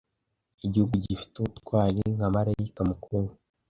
igihugu gifite ubutwari nka marayika mukuru